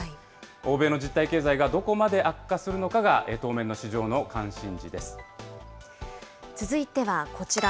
欧米の実体経済がどこまで悪化するのかが、当面の市場の関心事で続いてはこちら。